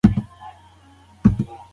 ما خپله خور په تندي ښکل کړه.